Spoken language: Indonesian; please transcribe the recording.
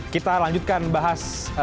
kita lanjutkan bahas